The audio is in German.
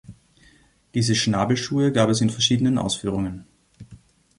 Diese Schnabelschuhe gab es in verschiedenen Ausführungen.